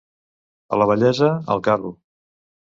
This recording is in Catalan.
A la vellesa, al carro.